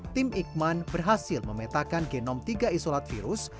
tim ikman berhasil memetakan genom tiga isolat virus